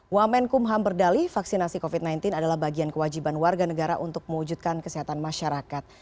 wamen kumham berdali vaksinasi covid sembilan belas adalah bagian kewajiban warga negara untuk mewujudkan kesehatan masyarakat